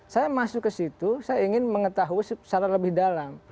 saya masuk ke situ saya ingin mengetahui secara lebih dalam